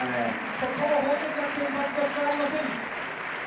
ここも報徳学園、パスがつながりません。